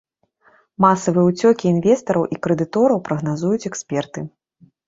Масавыя уцёкі інвестараў і крэдытораў прагназуюць эксперты.